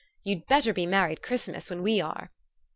You'd better be married Christmas, when we are.